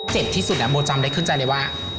เจ็บที่สุดอ่ะโบจำได้ขึ้นใจเลยว่า